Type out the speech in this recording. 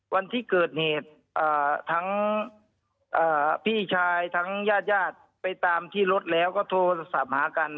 วันที่เกิดเหตุทั้งพี่ชายทั้งญาติญาติไปตามที่รถแล้วก็โทรศัพท์หากัน